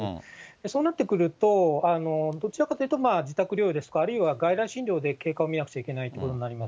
そうなってくると、どちらかというと、自宅療養ですとか、あるいは外来診療で経過を診なくちゃいけないということになります。